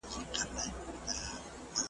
د دې وطن یې په قسمت کي دی ماښام لیکلی `